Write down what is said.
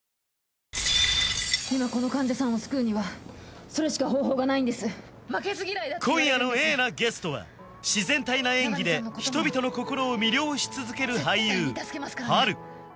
今この患者さんを救うにはそれしか方法がないんです今夜のＡなゲストは自然体な演技で人々の心を魅了し続ける俳優波瑠